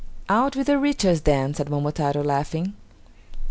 "Out with your riches then," said Momotaro laughing.